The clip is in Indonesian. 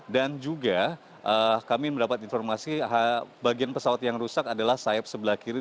dan juga kami mendapat informasi bagian pesawat yang rusak adalah sayap sebelah kiri